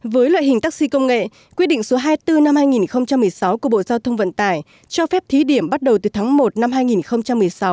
với loại hình taxi công nghệ quyết định số hai mươi bốn năm hai nghìn một mươi sáu của bộ giao thông vận tải cho phép thí điểm bắt đầu từ tháng một năm hai nghìn một mươi sáu